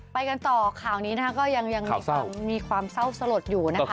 ไปกันต่อข่าวนี้นะคะก็ยังมีความเศร้าสลดอยู่นะคะ